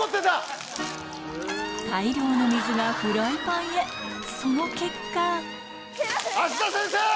大量の水がフライパンへその結果芦田先生！